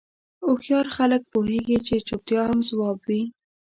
هوښیار خلک پوهېږي چې چوپتیا هم ځواب وي.